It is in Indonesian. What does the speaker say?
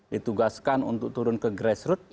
ditugaskan untuk turun ke grassroots